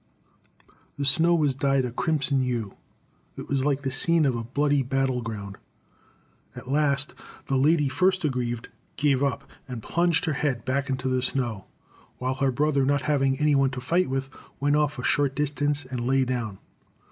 The snow was dyed a crimson hue. It was like the scene of a bloody battle ground. At last the lady first aggrieved gave up, and plunged her head back into the snow, while her brother, not having any one to fight with, went off a short distance and lay down.